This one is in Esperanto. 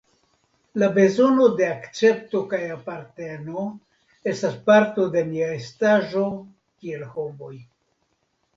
La bezono de akcepto kaj aparteno estas parto de nia estaĵo kiel homoj.